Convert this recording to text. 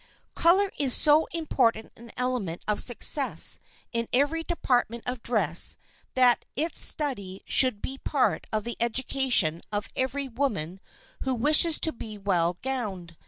Color is so important an element of success in every department of dress that its study should be a part of the education of every woman who wishes to be well gowned.